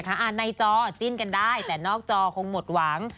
ในจอจิ้นกันได้แต่นอกจอคงหมดหวัง